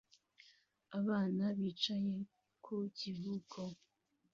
Abana bicaye ku kivuko